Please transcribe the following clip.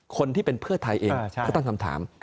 คนที่เป็นเพื่อไทยเองก็ตั้งคำถาม